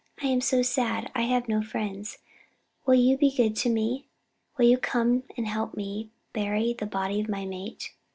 I am so sad; I have no friends. Will you be good to me? Will you come and help me bury the body of my mate?'